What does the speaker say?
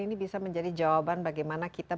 ini bisa menjadi jawaban bagaimana kita